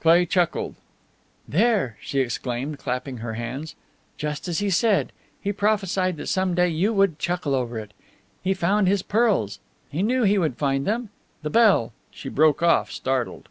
Cleigh chuckled. "There!" she exclaimed, clapping her hands. "Just as he said! He prophesied that some day you would chuckle over it. He found his pearls. He knew he would find them! The bell!" she broke off, startled.